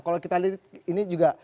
kalau kita lihat ini juga